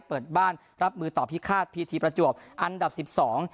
เปิดบ้านรับมือต่อพิฆาตพีทีประจวบอันดับสิบสอง